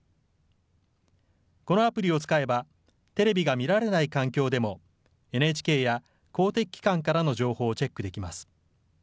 このアプリを使えばテレビが見られない環境でもＮＨＫや公的機関からの情報をチェックできます。